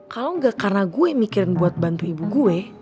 kalau enggak karena gue mikirin buat bantu ibu gue